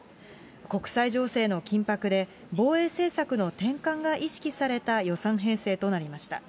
国際情勢の緊迫で、防衛政策の転換が意識された予算編成となりました。